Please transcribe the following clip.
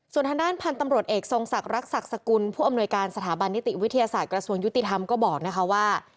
ส่วนทางด้านพันธุ์ตำรวจเอกทรงศักดิ์ศักดิ์สกุลผู้อำนวยการสถาบันนิติวิทยาศาสตร์กระทรวงยุติธรรมก็บอกนะคะว่า